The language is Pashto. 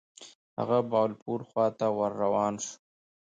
هغه بهاولپور خواته ور روان شو.